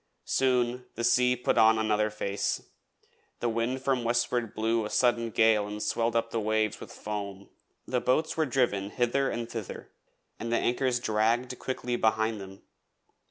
Soon the sea put on another face, the wind from westward blew a sudden gale and swelled up the waves with foam. The boats were driven hither and thither, and the anchors dragged quickly behind them.